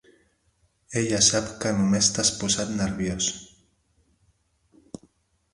Ella sap que només t'has posat nerviós.